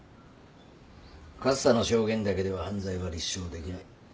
勝田の証言だけでは犯罪は立証できない。